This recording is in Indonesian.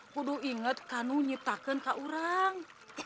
kudu inget kanu nyitaken ke orang